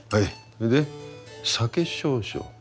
それで酒少々。